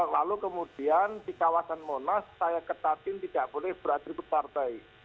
lalu kemudian di kawasan monas saya ketatkan tidak boleh beratribut partai